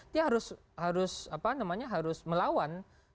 dia harus melawan